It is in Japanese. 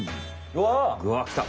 うわきた。